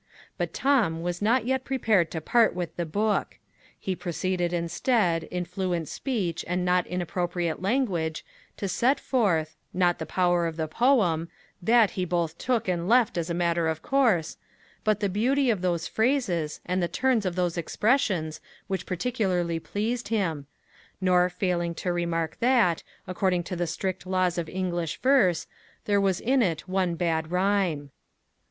But Tom was not yet prepared to part with the book. He proceeded instead, in fluent speech and not inappropriate language, to set forth, not the power of the poem that he both took and left as a matter of course but the beauty of those phrases, and the turns of those expressions, which particularly pleased him nor failing to remark that, according to the strict laws of English verse, there was in it one bad rhyme.